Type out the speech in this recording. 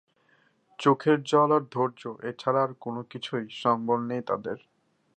চোখের জল আর ধৈর্য, এ ছাড়া আর তো কিছুই সম্বল নেই তাদের।